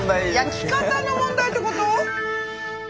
焼き方の問題ってこと？